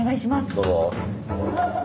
どうぞ。